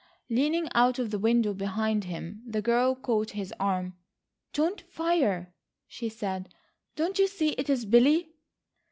Leaning out of the window behind him the girl caught his arm. "Don't fire," she said. "Don't you see it is Billy?"